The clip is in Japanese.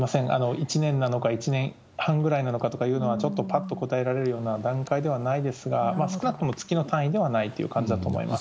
１年なのか、１年半ぐらいなのかというのは、ぱっと答えられるような段階ではないですが、少なくとも月の単位ではないという感じだと思います。